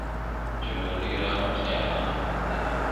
چي ډوډۍ راوړم یارانو ته تیاره -